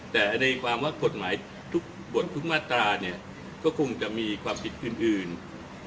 แต่ในความว่ากฎหมายทุกบททุกมาตราก็คงจะมีความผิดอื่น